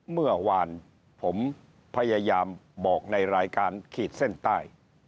เมื่อวานผมพยายามบอกในรายการขีดเส้นใต้